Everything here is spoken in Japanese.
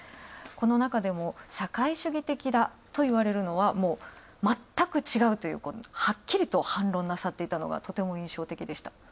このなかでも社会主義的だといわれるのは、まったく違うとはっきりと反論なさっていたのがとても印象的でした。